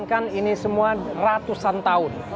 kan ini semua ratusan tahun